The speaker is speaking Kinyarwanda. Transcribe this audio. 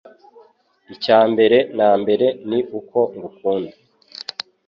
Icyambere na mbere ni uko ngukunda